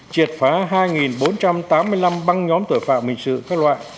triệt phá hai bốn trăm tám mươi năm băng nhóm tội phạm hình sự các loại